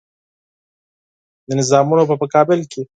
د نظامونو په مقابل کې.